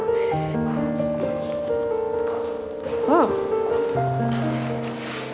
sampai jumpa di video selanjutnya